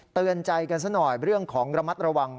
เตือนใจกันซะหน่อยเรื่องของระมัดระวัง